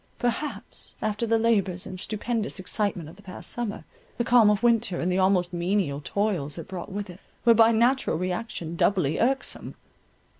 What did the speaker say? Perhaps, after the labours and stupendous excitement of the past summer, the calm of winter and the almost menial toils it brought with it, were by natural re action doubly irksome.